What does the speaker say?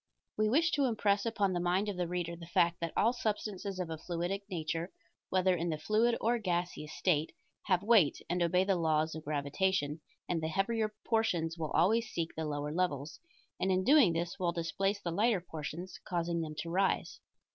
We wish to impress upon the mind of the reader the fact, that all substances of a fluidic nature, whether in the fluid or gaseous state, have weight, and obey the laws of gravitation, and the heavier portions will always seek the lower levels, and in doing this will displace the lighter portions, causing them to rise.